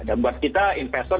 dan buat kita investor